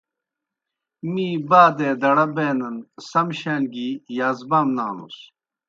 می بادے دڑہ بینَن سم شان گیْ یازبام نانُس۔